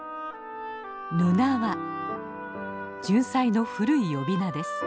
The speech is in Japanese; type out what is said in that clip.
ジュンサイの古い呼び名です。